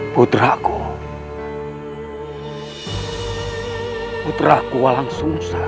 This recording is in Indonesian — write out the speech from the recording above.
putraku putraku walangsungsang